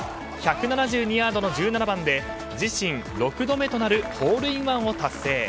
１７２ヤードの１７番で自身６度目となるホールインワンを達成。